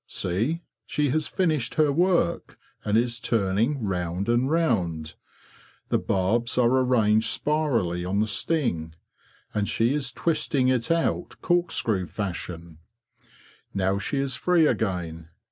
See! she has finished her work, and is turning round and round! The barbs are arranged spirally on the sting, and she is twisting it out corkscrew fashion. Now she is free again!